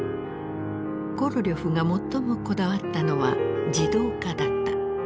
コロリョフが最もこだわったのは自動化だった。